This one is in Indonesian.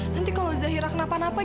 nanti kalau zahira kenapa napa